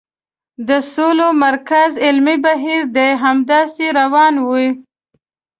د سولې مرکز علمي بهیر دې همداسې روان وي.